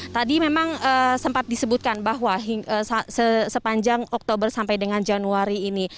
tadi memang sempat disebutkan bahwa sepanjang oktober sampai dengan januari ini